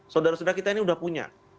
saudara saudara kita ini sudah punya